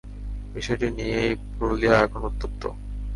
বিষয়টি নিয়েই পুরুলিয়া এখন উত্তপ্ত।